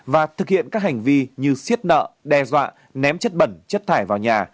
và thực hiện các hành vi như xiết nợ đe dọa ném chất bẩn chất thải vào nhà